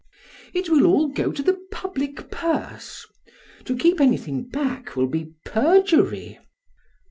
PRAX. It will all go to the public purse. To keep anything back will be perjury.